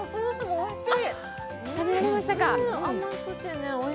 おいしい！